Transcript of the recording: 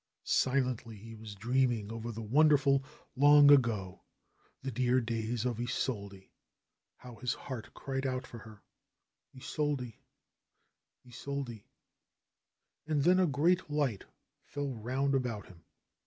Silently he was dreaming over the wonderful long ago, the dear days of Isolde. How his heart cried out for her ! Isolde ! Isolde ! And then a great light fell round about him.